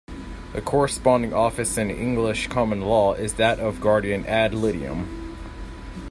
The corresponding office in English common law is that of guardian "ad litem".